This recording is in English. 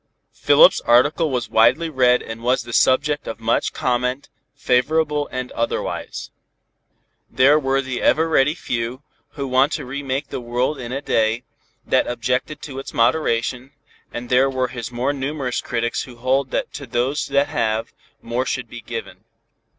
Philip's article was widely read and was the subject of much comment, favorable and otherwise. There were the ever ready few, who want to re make the world in a day, that objected to its moderation, and there were his more numerous critics who hold that to those that have, more should be given.